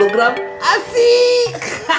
enam puluh gram asik